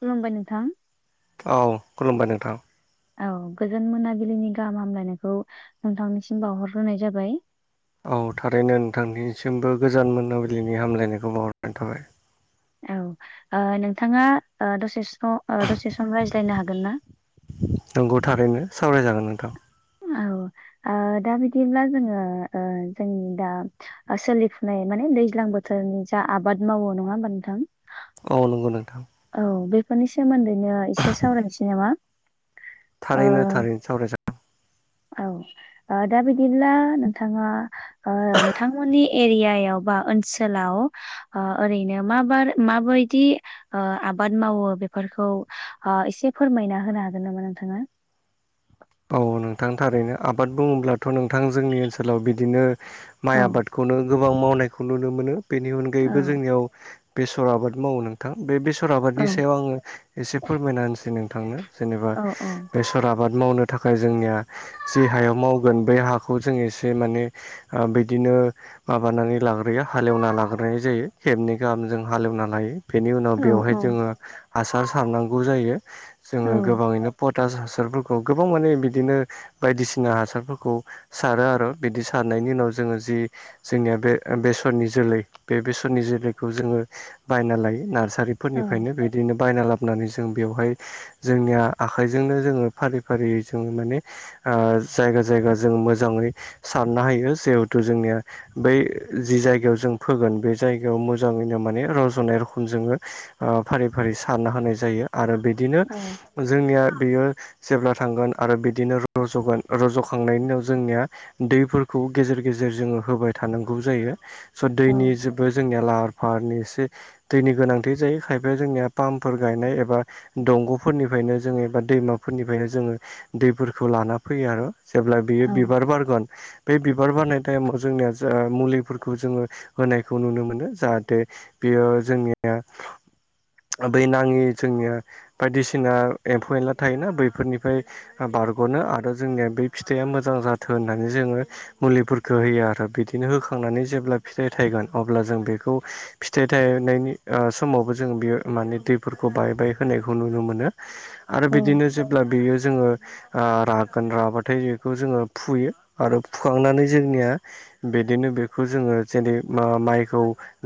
खुलुमबाय नोंथां औ खुलुमबाय नोंथां औ गोजोन मोनाबिलिनि गाहाम हामलायनायखौ नोंथांनिसिम बावहरग्रोनाय जाबाय औ थारैनो नोंथांनिसिमबो गोजान मोनाबिलिनि हामलायनायखौ बावग्रोनाय थाबाय औ ओ नोंथांआ ओ दसे स ओ दसे सम रायज्लायनो हागोन ना नोंगौ थारैनो सावरायजागोन नोंथां औ ओ दा बिदिब्ला जोङो ओ जोंनि दा ओ सोलिफुनाय माने दैज्लां बोथोरनि जा आबाद मावो नङा होमबा नोंथां औ नंगौ नोंथां औ बेफोरनि सोमोन्दैनो एसे सावरायनोसै नामा ओ थारैनो थारैनो सावरायजागोन औ ओ‌ दा बिदिब्ला नोंथांआ ओ नोंथांमोनि एरियाव बा ओनसोलाव ओ ओरैनो माबार माबादि ओ आबाद मावो बेफोरखौ ओ एसे फोरमायना होनो हागोन नामा नोंथांआ औ नोंथां थारैनो आबाद बुङोब्लाथ' नोंथां जोंनि ओनसोलाव बिदिनो हो औ माइ आबाद खौनो गोबां मावनायखौ नुनो मोनो बेनि अनगायैबो औ जोंनिआव बेसर आबाद मावो नोंथां बे बेसर औ आबादनि सायाव आं एसे फोरमायना होनोसै नोंथांनो जेनोबा औ बेसर आबाद मावनो थाखाय जोंनिआ जे हायाव मावगोन बे हाखौ जों एसे माने ओे बिदिनो माबानानै लाग्रोयो हालेवना लाग्रोनाय जायो खेबनै गाहाम जों हालेवना लायो बेनि उनाव औ बेवहाय औ जोङो हासार सारनांगौ जायो औ जोङो गोबाङैनो पटास हासारफोरखौ गोबां माने बिदिनो बायदिसिना हासारफोरखौ सारो आरो बिदि सारनायनि उनाव जोङो जि जोंनिआ बे बेस'रनि जोलै बे बेस'रनि जोलैखौ जोङो बायना लायो नारसारि औ फोरनिफायनो बिदिनो बायना लाबोनानै जों बेवहाय जोंनिआ आखाइजोंनो जोङो फारि फारियै जोङो माने ओ जायगा जायगा जों मोजाङै साननो होयो जिहेथु जोंनिआ बै जि जायगायाव जों फोगोन बे जायगायाव मोजाङैनो माने रज'नाय रख'म जोङो ओ फारि फारि साननो होनाय जायो आरो बिदिनो औ हो जोंनिआ बेयो हो जेब्ला थांगोन आरो बिदिनो रज'गोन रज'खांनायनि उनाव जोंनिआ दैफोरखौ गेजेर गेजेर जोङो होबाय थानांगौ जायो स' दैनि जेबो जोंनिआ लाहार फाहारनि एसे दैनि गोनांथि जायो खायफाया जोंनिआ पाम्पफोर गायनाय एबा दंग'फोरनिफ्रायनो जोङो एबा दैमा फोरनिफ्रायनो जोङो दैफोरखौ लाना फैयो आरो जेब्ला बियो औ बिबार बारगोन बे बिबार बारनाय थाइमाव जोंनिआ जा मुलिफोरखौ जोङो होनायखौ नुनो मोनो जाहाथे बेयो जोंनिआ बै नाङि जोंनिआ बादिसिना एम्फौ एनला थायोना बैफोरनिफ्राय बारग'नो आरो जोंनिया बे फिथाइया मोजां जाथो होननानै जोङो मुलिफोरखौ होयो आरो बिदिनो होखांनानै जेब्ला फिथाइ थायगोन अब्ला जों बेखौ फिथाइ थायनायनि ओ समावबो जों बेयो माने दैफोरखौ बाय बाय होनायखौ नुनो मोनो [inaudible] आरो बिदिनो जेब्ला बेयो जोङो ओ रागोन राबाथाय बेखौ जोङो फुयो आरो फुखांनानै जोंनिया बिदिनो बेखौ जोङो जेरै ओ माइखौ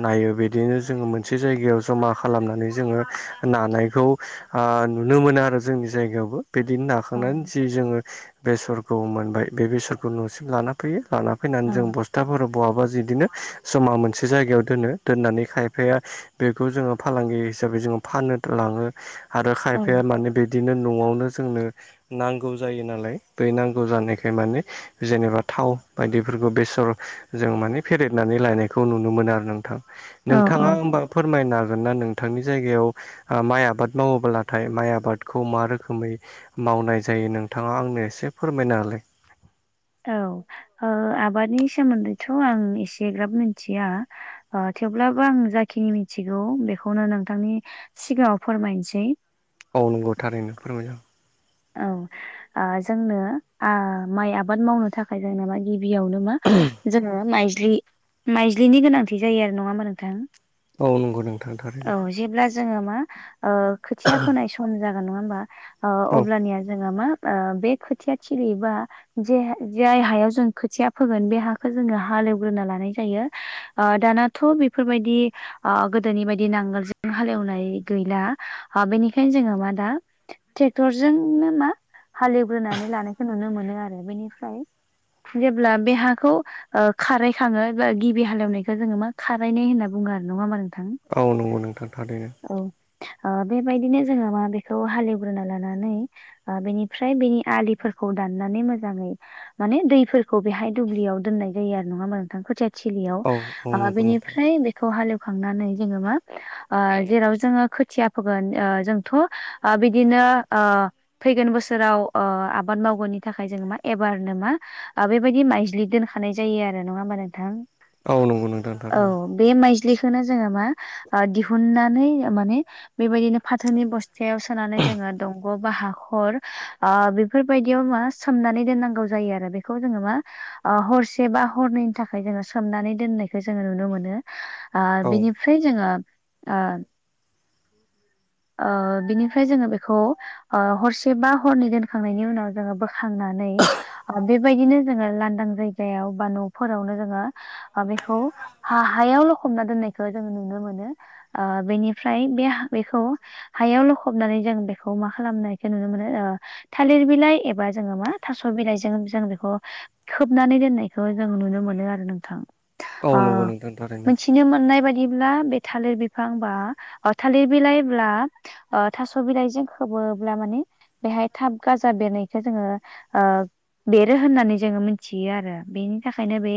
नायो बिदिनो जोङो मोनसे जायगायाव जमा खालामनानै जोङो नानायखौ ओ नुनो मोनो आरो जोंनि जायगायावबो बिदिनो नाखांनानै जि जोङो बेसर खौ मोनबाय बे बेसोरखौ न'सिम लाना फैयो लाना औ फैनानै जों बस्थाफोर बहाबा बिदिनो जमा मोनसे जायगायाव दोनो दोननानै खायफाया बेखौ जोङो फालांगि हिसाबै जोङो फाननो लाङो आरो औ खायफाया माने बि दिनो न'आवनो जोंनो नांगौ जायो नालाय बै नांगौ जानायखाय माने जेनेबा थाव बायदिफोरखौ बेसर जों माने फेरेदनानै लायनायखौ नुनो मोनो आरो नोंथां औ औ नोंथाङा होमबा फोरमायनो हागोन ना नोंथांनि जायगायाव ओ माइ आबाद मावोब्लाथाय माइ आबाद खौ मा रोखोमै मावनाय जायो नोंथाङा आंनो एसे फोरमायना होलाय? औ ओ आबादनि सोमोन्दैथ' आं एसे ग्राब मिथिया ओ थेवब्लाबो आं जाखिनि मिथिगौ बेखौनो नोंथांनि सिगाङाव फोरमायनोसै औ नंगौ थारैनो फोरमायजागोन औ ओ जोंनो आ माइ आबाद मावनो थाखाय जेनबा गिबियावनो मा जोङो माइज्लि माइज्लिनि गोनांथि जायो आरो नङा होनबा नोंथां औ नंगौ नोंथां थारैनो औ जेब्ला जोङो मा ओ खोथिया फोनाय सम जागोन नङा होमबा ओ औ अब्लानिया जोङो मा ओ बे खोथिया थिलि बा जे जाय हायाव जों खोथिया फोगोन बे हाखौ जोङो हालेवग्रोना लानाय जायो। ओक दानाथ' बेफोरबायदि ओ गोदोनि बायदि नांगोलजों हालेवनाय गैला ओ बेनिखायनो जोङो मा दा ट्रेक्टर जोंनो मा हालेवग्रोनानै लानायखौ नुनो मोनो आरो बेनिफ्राय जेब्ला बे हाखौ ओ खाराय खाङो बा गिबि हालेवनायखौ जोङो मा खारायनाय होनना बुङो आरो नङा होमा नोंथां औ नंगौ नोंथां थारैनो औ ओ बेबायदिनो जोङो मा बेखौ हालेवग्रोना लानो नानै ओ बेनिफ्राय बेनि आलिफोरखौ दाननानै मोजाङै माने दैफोरखौ बेहाय दुब्लियाव दोननाय जायो आरो नङा होमबा नोंथां खोथिया थिलियाव औ औ ओ नंगौ नोंथां बेनिफ्राय बेखौ हालेवखांनानै जोङो मा ओ जेराव जोङो खोथिया फोगोन ओ जोंथ' ओ बिदिनो ओ फैगोन बोसोराव ओ आबाद मावगोननि थाखाय जोङो मा एबारनो मा ओ बेबायदि माइज्लि दोनखानाय जायो आरो नङा होमबा नोंथां औ नंगौ नोंथां औ थारैनो बे माइज्लिखौनो जोङो मा ओ दिहुननानै माने बेबायदिनो फाथोनि बस्थायाव सोनानै जोङो दं ग बा हाखर ओ बेफोरबायदियाव मा सोमनानै दोननांगौ जायो आरो बेखौ जोङो मा ओ हरसे बा हरनैनि थाखाय जोङो सोमनानै दोननायखौ जोङो नुनो मोनो आ औ बिनिफ्राय जोङो ओ ओ बिनिफ्राय जोङो बेखौ ओ हरसे बा हरनै दोनखांनायनि उनाव जोङो बोखांनानै बेबायदिनो जोङो लांदां जायगायाव बा न'फोरावनो जोङो बेखौ हा-हायाव ल खबना दोननायखौ जों नुनो मोनो ओ बेनिफ्राय बे हा बेखौ हायाव लखबनानै जों बेखौ मा खालामनायखौ नुनो मोनो ओ थालिर बिलाइ एबा जोङो मा थास' बिलाइजों जों बेखौ खोबनानै दोननायखौ जों नुनो मोनो आरो नोंथां ओ औ नंगौ नोंथां थारैनो मोनसे मिथिनो मोननाय बायदिब्ला बे थालिर बिफां बा ओ थालिर बिलाइ ब्ला थास' बिलाइजों खोबोब्ला माने बेहाय थाब गाजा बेरनायखौ जोङो ओ बेरो होननानै जोङो मोनथियो आरो बेनि थाखायनो बे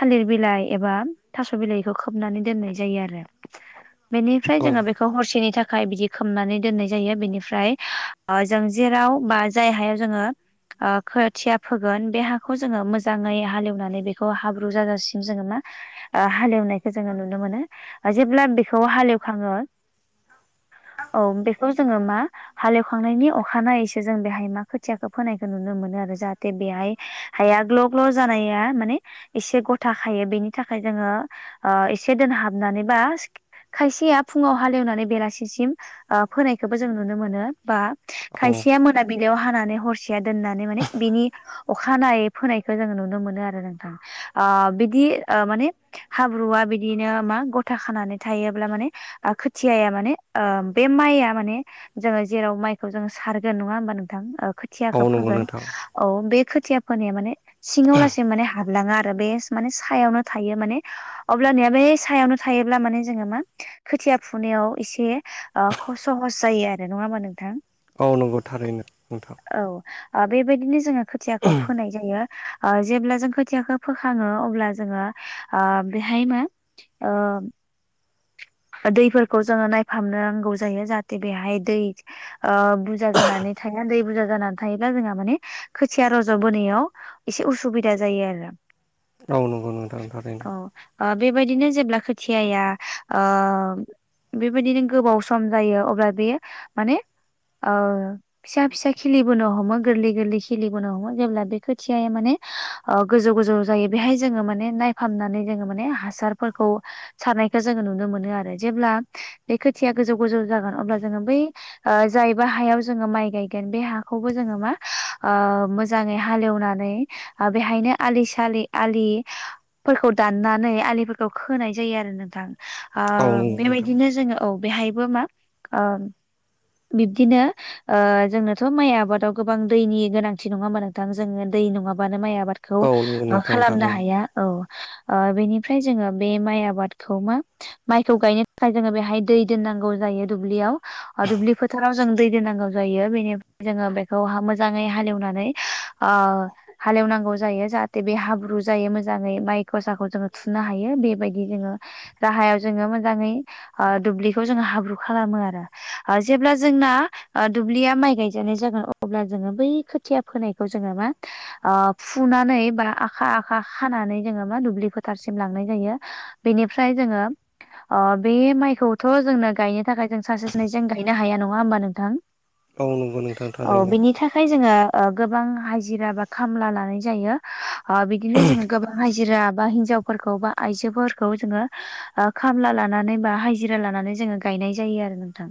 थालिर बिलाइ एबा थास' बिलाइखौ खोबनानै दोननाय जायो आरो। बेनिफ्राय औ जोङो बेखौ हरसेनि थाख खाय बिदि खोबनानै दोननाय जायो बिनिफ्राय ओ जों जेराव बा जाय हायाव जोङो ओ खोथिया फोगोन बे हाखौ जोङो मोजाङै हालेवनानै बेखौ हाब्रु जाजासिम जोङो मा ओ हालेवनायखौ जोङो नुनो मोनो। जेब्ला बेखौ हालेवखाङो औ बेखौ जोङो मा हालेवखांनायनि अखानायैसो जों बेहाय मा खोथियाखौ फोनायखौ नुनो मोनो आरो जाहाथे बेहाय हाया ग्ल' ग्ल' जानाया माने एसे गथा खायो बेनि थाखाय जोङो ओ एसे दोनहाबनानै बा खायसेया फुङाव हालेवनानै बेलासिसिम ओ फोनायखौबो जों नुनो मोनो बा औ खायसेया मोना बिदियाव हानानै हरसेया दोननानै माने बिनि अखानायै फोनायखौ जोङो नुनो मोनो आरो नोंथां। ओ बिदि ओ माने हाब्रुआ बिदिनो मा गथा खानानै थायोब्ला माने खोथियाया माने ओ बे माइया माने जोङो जेराव माइखौ जों सारगोन नङा हबा नोंथां ओ औ खोथियाखौ नंगौ फोगोन नोंथां औ बे खोथिया फोनाया माने सिङाव लासे माने हाबलाङा आरो बे माने सायावनो थायो माने अब्लानिया बे सायावनो थायोब्ला माने जोङो मा खोथिया फुनायाव एसे ओ ख सहस जायो आरो नङा होमबा नोंथां? औ नंगौ थारैनो नोंथां। औ ओ बेबायदिनो जोङो खोथियाखौ फोनाय जायो। ओ जेब्ला जों खोथियाखौ फोखाङो अब्ला जोङो ओ बेहाय मा ओ दैफोरखौ जोङो नायफामनो नांगौ जायो जाहाथे बेहाय दै ओ बुरजा जानानै थाया। दै बुरजा जानानै थायोब्ला जोंहा माने खोथिया रज'बोनायाव एसे उसुबिदा जायो आरो। औ नगौ नोंथां औ थारैनो। ओ बेबायदिनो जेब्ला खोथियाया ओ बेबायदिनो गोबाव सम जायो अब्ला बेयो माने औ। फिसा फिसा खिलिबोनो हमो गोरलै गोरलै खिलिबोनो हमो जेब्ला बे खोथियाया माने ओ गोजौ गोजौ जायो बेहाय जोङो माने नायफामनानै जोङो माने हासारफोरखौ सारनायखौ जोङो नुनो मोनो आरो जेब्ला बे खोथिया गोजौ गोजौ जागोन अब्ला जोङो बै ओ जायबा हायाव जोङो माइ गायगोन बे हाखौबो जोङो मा ओ मो मोजाङै हालेवनानै बेहायनो आलि सालि आलि फोरखौ दाननानै आलिफोरखौ खोनाय जायो आरो नोंथां। ओ औ नंगौ नोंथां बेबायदिनो जोङो औ बेहायबो मा ओ बिब्दिनो ओ जोंनोथ' माइ आबादाव गोबां दैनि गोनांथि नङा होमबा नोंथां जोङो दै नङाबानो माइ आबाद खौ औ नंगौ नोंथां खालामनो थारैनो हाया औ बेनिफ्राय जोङो बे माइ आबादखौ मा माइखौ गायनो थाखाय जोङो बेहाय दै दोननांगौ जायो दुब्लियाव दुब्लि फोथाराव जों दै दोनांगौ जायो बेनिफ्राय जोङो बेखौ मोजाङै हालेवनानै अ हालेवनांगौ जायो जाहाथे बे हाब्रु जायो मोजाङै माइ खसाखौ जोङो थुनो हायो बेबायदि। जोङो दाहायाव जोङो मोजाङै अ दुब्लिखौ जोङो हाब्रु खालामो आरो जेब्ला जोंना अ दुब्लिया माइ गायजानाय जागोन अब्ला जोङो बै खोथिया फोनायखौ जोङो मा ओ फुनानै बा आखा आखा खानानै जोङो मा दुब्लि फोथारसिम लांनाय जायो। बेनिफ्राय जोङो अ बे माइखौथ' जोंनो गायनो थाखाय जों सासे सानैजों गायनो हाया नङा होमबा नोंथां औ नंगौ नोंथां औ थारैनो बिनि थाखाय जोङो गोबां हाजिरा बा खामला लानाय जायो बिदिनो जोङो गोबां हाजिरा बा हिनजाव फोरखौ बा आइजोफोरखौ जोङो खामला लानानै बा हाजिरा लानानै जोङो गायनाय जायो आरो नोंथां।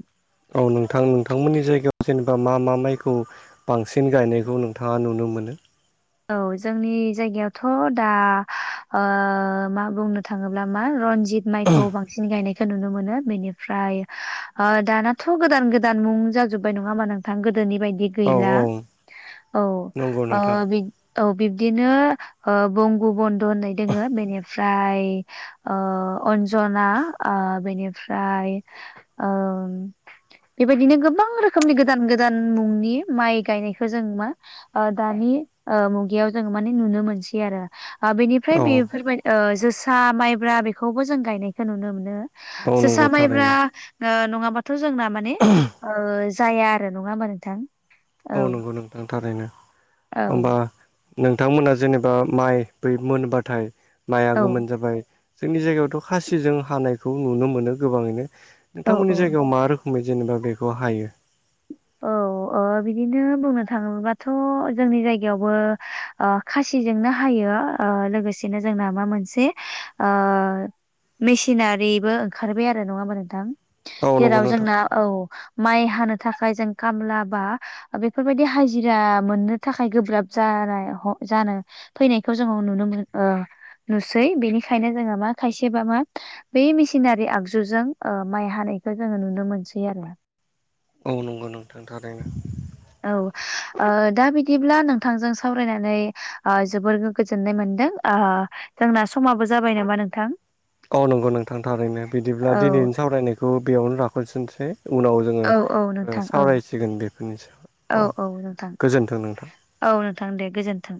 औ नोंथां नोंथांमोननि जायगायाव जेनेबा मा मा माइखौ बांसिन गायनायखौ नोंथाङा नुनो मोनो? औ जोंनि जायगायावथ' दा मा बुंनो थाङोब्ला मा रनजित जित माइखौ बांसिन गायनाय खौ नुनो मोनो बेनिफ्राय दानाथ' गोदान गोदान मुं जाजोबबाय नङा होमबा नों थां गोदोनि बायदि औ गैला औ औ नंगौ नोंथां बि औ बिब्दिनो ओ बंग' बन्द' होननाय दोङो बेनि फ्राय ओ अन्जना ओ बेनिफ्राय ओम बेबायदिनो गोबां रोखोमनि गोदान गोदान मुंनि माइ गायनायखौ जों मा ओ दानि मुगायाव ओ जोङो माने नुनो मोनसै आरो बेनिफ्राय औ बेफोरबाय ओ जोसा माइब्रा बेखौबो जों गायनायखौ नुनो मोनो औ जोसा नंगौ माइब्रा थारैनो ओ नङाबाथ' जोंना माने जाया आरो नङा होमबा नोंथां? औ नंगौ नोंथां थारैनो औ ओमबा नोंथांमोना जेनेबा माइ बै मोनबाथाय माइआ औ गोमोन जाबाय जोंनि जायगायावथ' खासिजों हानायखौ नुनो मोनो गोबाङैनो औ औ नोंथांमोननि जायगा बेयाव मा रोखोमै जेनेबा बेखौ हायो। औ ओ बिदिनो बुंनो थाङोबथ' जोंनि जायगायावबो अ खासिजोंनो हायो ओ लोगोसेनो जोंना मा मोनसे ओ मेसिनारिबो ओंखारबाय आरो नङा होमबा नोंथां? औ नंगौ जेराव नोंथां जोंना औ माइ हानो थाखाय जों खामला बा बेफोरबायदि हाजिरा मोननो थाखाय गोब्राब जानाय ह जानो फैनायखौ जों नुनो मोन ओ नुसै बेनिखायनो जोङो मा खायसे बा मा बे मेसिनारि आगजुजों ओ माइ हानायखौ जोङो नुनो मोनसै आरो। औ नंगौ नोंथां थारैनो औ ओ दा बिदिब्ला नोंथांजों सावरायनानै आ जोबोर गोजोननाय मोनदों। आ जोंना समाबो जाबाय नामा नोंथां? औ नंगौ नोंथां थारैनो बिदिब्ला औ दिनैनि सावरायनायखौ बेयावनो [unintelligible] उनाव जोङो औ औ नोंथां औ सावरायसिगोन बेफोरनि सायाव। औ औ नोंथां गोजोन्थों नोंथां औ नोंथां दे गोजोन्थों।